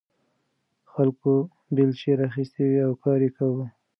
خلکو بیلچې راخیستې وې او کار یې کاوه.